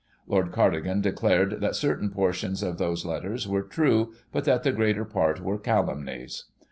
Lord Cardigan declared that certain portions of those letters were true, but that the greater part were calumnies.